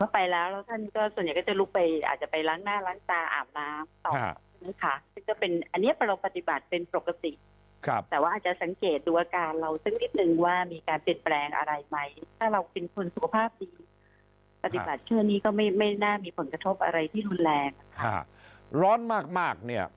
เพื่อเป็นการสั่งทำน้ำอากาศไปออกอ่ะค่ะ